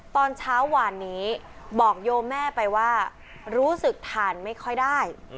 ตอนเช้าวานนี้บอกโยมแม่ไปว่ารู้สึกทานไม่ค่อยได้